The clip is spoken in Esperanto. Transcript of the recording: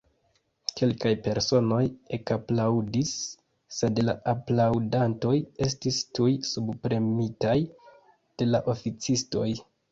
kelkaj personoj ekaplaŭdis, sed la aplaŭdantoj estis tuj subpremitaj de la oficistoj.